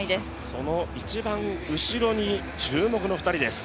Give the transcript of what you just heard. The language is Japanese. その一番後ろに注目の２人です。